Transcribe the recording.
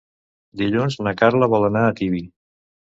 Dilluns na Carla vol anar a Tibi.